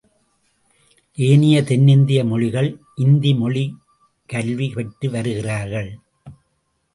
ஏனைய தென்னிந்திய மொழிகள் இந்தி மொழிக் கல்வி பெற்று வருகிறார்கள்.